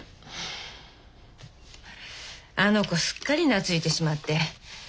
あの子すっかり懐いてしまって。